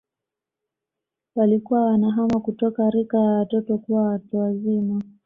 Walikuwa wanahama kutoka rika ya watoto kuwa watu wazima